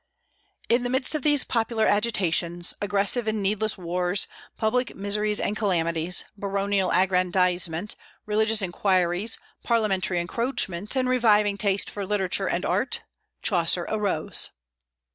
In the midst of these popular agitations, aggressive and needless wars, public miseries and calamities, baronial aggrandizement, religious inquiries, parliamentary encroachment, and reviving taste for literature and art, Chaucer arose.